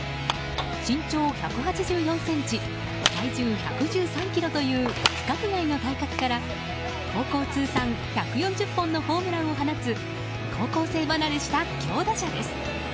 身長１８４ｃｍ体重１１３ｋｇという規格外の体格から高校通算１４０本のホームランを放つ高校生離れした強打者です。